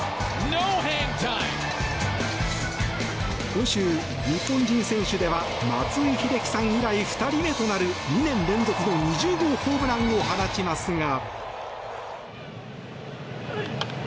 今週、日本人選手では松井秀喜さん以来２人目となる２年連続の２０号ホームランを放ちますが。